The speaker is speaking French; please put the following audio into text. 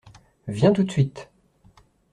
Viens tout de suite.